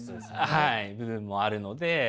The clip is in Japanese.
はい部分もあるので。